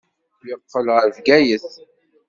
Yeqqel ɣer Bgayet.